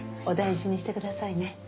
お大事にしてくださいね。